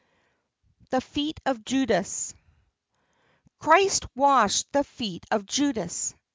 THE FEET OF JUDAS Christ washed the feet of Judas!